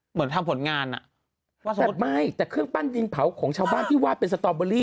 เหมือนทำขนงานอะว่าเท่ามั้ยแต่เครื่องปั้นจิงเผาของชาวบ้านที่วาดเป็นสตรอบเบอรี่